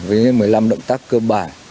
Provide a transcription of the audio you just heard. với những một mươi năm động tác cơ bản